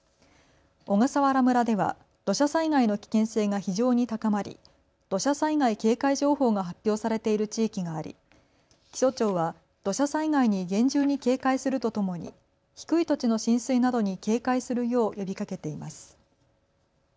小笠原村では土砂災害の危険性が非常に高まり土砂災害警戒情報が発表されている地域があり気象庁は土砂災害に厳重に警戒するとともに低い土地の浸水などに警戒するよう呼びかけています。